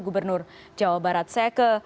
gubernur jawa barat saya ke